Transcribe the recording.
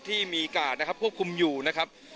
ที่มีกาดนะครับควบคุมอยู่นะครับ